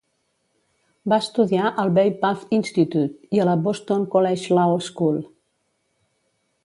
Va estudiar al Bay Path Institute i a la Boston College Law School.